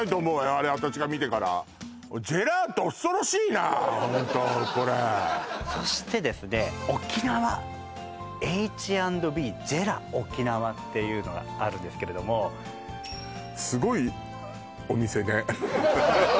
あれ私が見てからホントこれそしてですね沖縄Ｈ＆Ｂジェラ沖縄っていうのがあるんですけれどもすごいお店ねフハハハ